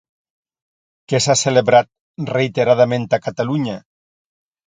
Què s'ha celebrat reiteradament a Catalunya?